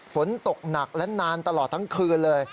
ฝนตกหนักและนานตลอดทั้งคืนเลย